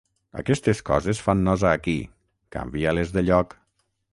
Aquestes coses fan nosa aquí: canvia-les de lloc.